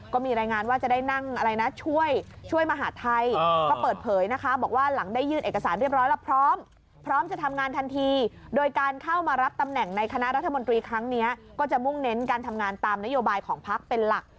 ก็มีรายงานว่าจะได้นั่งช่วยมาหาไทยก็เปิดเผยนะคะ